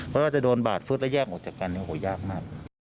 เพราะว่าจะโดนบาดฟึดแล้วแยกออกจากกันเนี่ยโหยากมาก